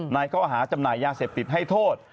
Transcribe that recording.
ในข้อหาจำหน่ายยาเสพติดให้โทษ